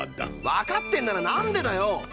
わかってんならなんでだよ！